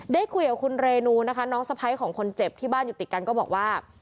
ได้คุยกับคุณเรนูนะคะน้องสะพ้ายของคนเจ็บที่บ้านอยู่ติดกันก็บอกว่า